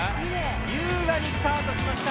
優雅にスタートしました。